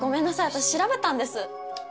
私調べたんです。